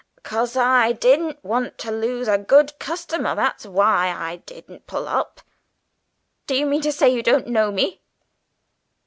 "'Cause I didn't want to lose a good customer, that's why I didn't pull up!" "Do you mean to say you don't know me?"